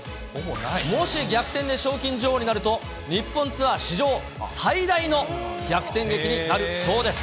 もし逆転で賞金女王になると、日本ツアー史上最大の逆転劇になるそうです。